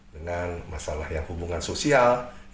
dengan masalah yang hubungan sosial